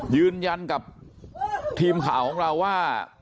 ยืนยันกับทีมข่าวของเราว่า